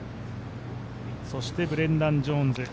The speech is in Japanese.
そしてブレンダン・ジョーンズ